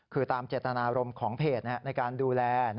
คือตามเจตนารมณ์ของเพจในการดูแล